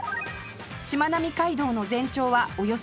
しまなみ海道の全長はおよそ６０キロ